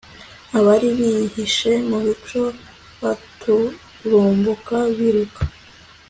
abari bihishe mu bico baturumbuka biruka